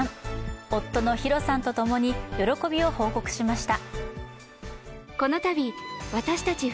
夫のＨＩＲＯさんとともに喜びを報告しました。